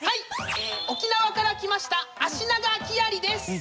沖縄から来ましたアシナガキアリです！